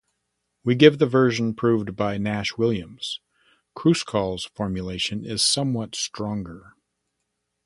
We give the version proved by Nash-Williams; Kruskal's formulation is somewhat stronger.